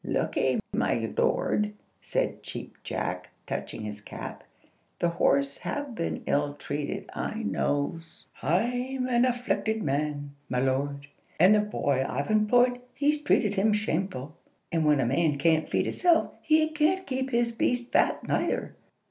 "Look ye, my lord," said the Cheap Jack, touching his cap. "The horse have been ill treated, I knows. I'm an afflicted man, my lord, and the boy I've employed, he's treated him shameful; and when a man can't feed hisself, he can't keep his beast fat neither.